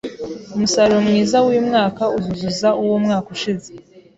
Umusaruro mwiza wuyu mwaka uzuzuza uwumwaka ushize.